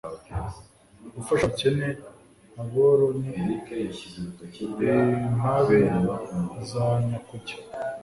gufasha abakene aboro n impabe za nyakujya